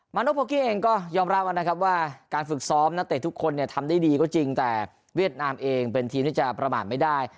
มานกพอเกียงก็ยอมรับว่าการฝึกซ้อมนักเตะทุกคนทำได้ดีก็จริงแต่เวียดนามเองเป็นทีมที่จะประมาณไม่ได้